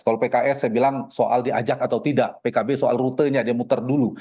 kalau pks saya bilang soal diajak atau tidak pkb soal rutenya dia muter dulu